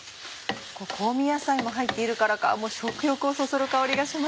香味野菜も入っているからか食欲をそそる香りがします。